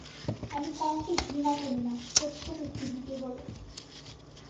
আমি কাউকে ঘৃণা করি না, সত্যকে খুঁজি কেবল।